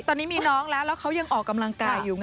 ตอนนี้มีน้องแล้วแล้วเขายังออกกำลังกายอยู่ไง